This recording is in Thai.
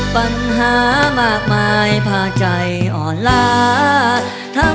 ปัญหามากมายผ่าใจอ่อนลา